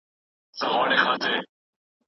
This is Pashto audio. کاشکې نه وای داسې شوي